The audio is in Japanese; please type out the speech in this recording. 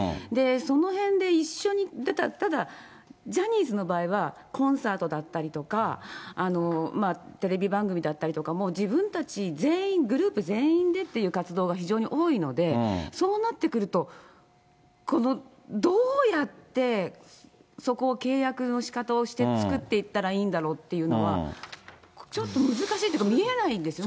そのへんで一緒に、ただジャニーズの場合は、コンサートだったりとか、テレビ番組だったりとかも、自分たち全員、グループ全員でっていう活動が非常に多いので、そうなってくると、このどうやって、そこを契約のしかたをして、作っていったらいいんだろうっていうのは、ちょっと難しいっていうか、見えないんですよね。